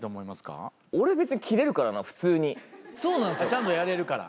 ちゃんとやれるから。